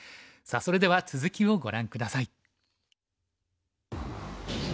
さあそれでは続きをご覧下さい。